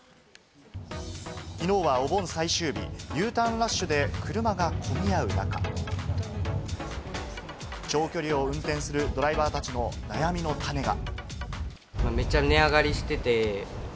きのうはお盆最終日、Ｕターンラッシュで車が混み合う中、長距離を運転するドライバーたちの悩みの種が。